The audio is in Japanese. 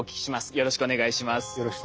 よろしくお願いします。